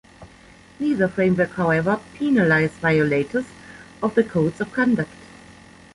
Neither framework, however, penalizes violators of the codes of conduct.